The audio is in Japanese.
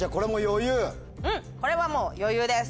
これはもう余裕です。